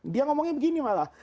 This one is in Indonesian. dia ngomongnya begini malah